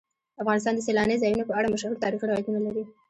افغانستان د سیلانی ځایونه په اړه مشهور تاریخی روایتونه لري.